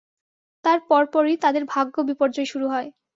তার পরপরই তাদের ভাগ্য-বিপর্যয় শুরু হয়।